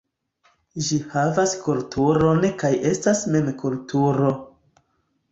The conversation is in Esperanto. Ĝi havas kulturon kaj estas mem kulturo.